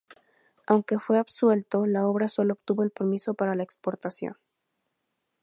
Aunque fue absuelto, la obra solo obtuvo el permiso para la exportación.